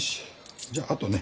じゃああとね